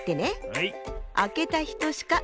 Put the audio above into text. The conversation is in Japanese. はい！